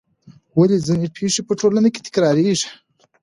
ولې ځینې پېښې په ټولنه کې تکراریږي؟